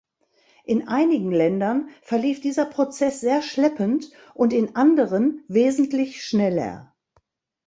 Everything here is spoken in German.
In einigen Ländern verlief dieser Prozess sehr schleppend und in anderen wesentlich schneller.